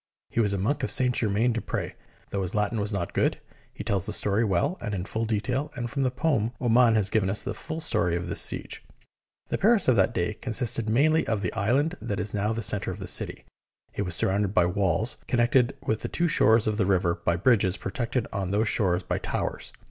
He was a monk of St. Germain des Pres. Though his Latin was not good, he tells his story well and in full detail, and from the poem Oman has given us the full story of this siege. The Paris of that day consisted mainly of the [ 151 ] THE BOOK OF FAMOUS SIEGES island that is now the centre of the city. It was sur rounded by walls connected with the two shores of the river by bridges protected on those shores by towers.